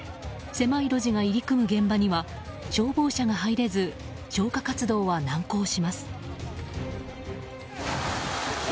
狭い路地が入り組む現場には消防車が入れず消火活動は難航します。